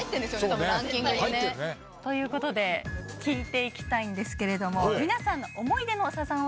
たぶんランキングにね。ということで聞いていきたいんですけれども皆さんの。